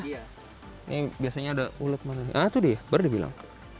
ini biasanya ada ulat mana nih ah itu dia baru dibilang